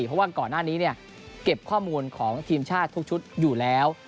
เพราะว่าก่อนหน้านี้เก็บข้อมูลของทีมชาติทุกชุดอยู่แล้ว